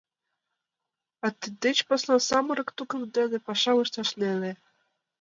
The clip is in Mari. А тиддеч посна самырык тукым дене пашам ышташ неле.